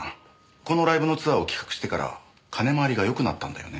このライブのツアーを企画してから金回りがよくなったんだよね？